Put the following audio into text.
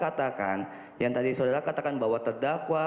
bahwa saudara katakan yang tadi saudara katakan bahwa terdakwa